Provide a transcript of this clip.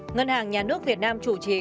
ngân hàng nhà nước việt nam chủ trì